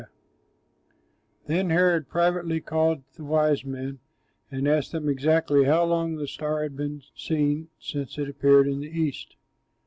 Taylor] Then Herod privately called the wise men and asked them exactly how long the star had been seen since it appeared in the east.